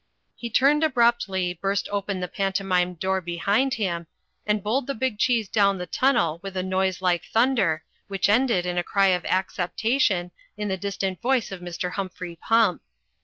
He turned abruptly, burst open the pantomime door behind him and bowled the big cheese down the tunnel with a noise like thunder, which ended in a cry of acceptation in the distant voice of Mr. Humphrey Pump.